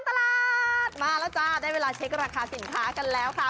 ตลาดมาแล้วจ้าได้เวลาเช็คราคาสินค้ากันแล้วค่ะ